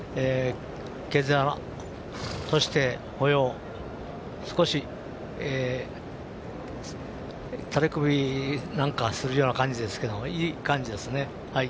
毛づや、そして、歩様少し垂れ首なんかするような感じですけどいい感じですね。